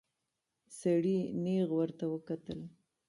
سړي نيغ ورته وکتل.